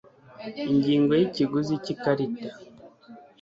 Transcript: Ingingo ya Ikiguzi cy ikarita